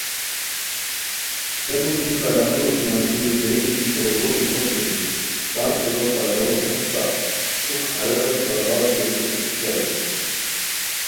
ہے موژی قلاہورو ای ملگیری دئے گیتی تو گوڑی ہوست نیزی تان سورو قلاہورو ہوستہ پُھک ہارینوت برابر کوریکو کوشش اریر